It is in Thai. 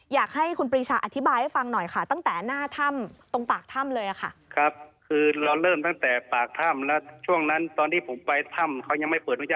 อยากให้คุณปรีชาอธิบายให้ฟังหน่อยค่ะตั้งแต่หน้าถ้ำตรงปากถ้ำเลยค่ะ